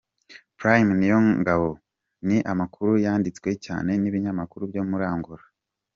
Prime Niyongabo, ni amakuru yanditswe cyane n’ibinyamakuru byo muri Angola.